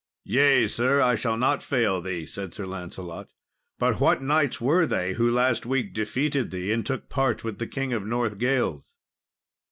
"Yea, sir, I shall not fail thee," said Sir Lancelot; "but what knights were they who last week defeated thee, and took part with the King of Northgales?"